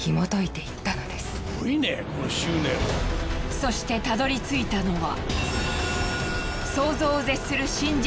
そしてたどりついたのは。